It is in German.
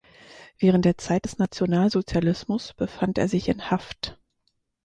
Während der Zeit des Nationalsozialismus befand er sich in Haft.